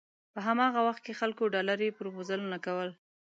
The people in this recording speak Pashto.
په هماغه وخت کې خلکو ډالري پروپوزلونه کول.